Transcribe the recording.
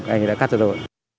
anh ấy đã cắt tóc